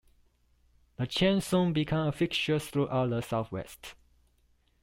The chain soon became a fixture throughout the Southwest.